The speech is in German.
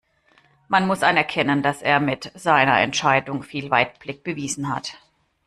Man muss anerkennen, dass er mit seiner Entscheidung viel Weitblick bewiesen hat.